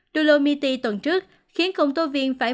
dolomiti tuần trước khiến khủng tố viên phải mất